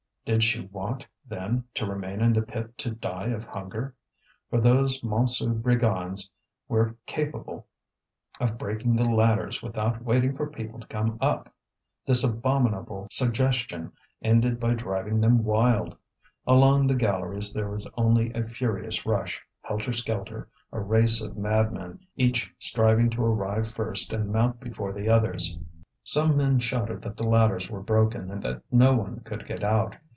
Did she want, then, to remain in the pit to die of hunger? For those Montsou brigands were capable of breaking the ladders without waiting for people to come up. This abominable suggestion ended by driving them wild. Along the galleries there was only a furious rush, helter skelter; a race of madmen, each striving to arrive first and mount before the others. Some men shouted that the ladders were broken and that no one could get out.